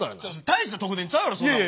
大した特典ちゃうやろそんなもん。